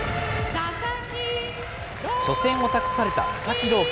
初戦を託された佐々木朗希。